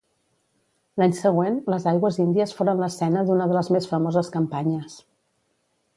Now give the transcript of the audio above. L'any següent, les aigües índies foren l'escena d'una de les més famoses campanyes.